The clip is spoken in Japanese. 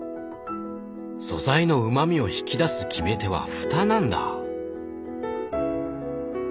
素材のうまみを引き出す決め手はふたなんだ！